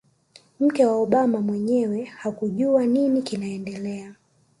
mke wa Obama mwenyewe hakujua nini kinaendelea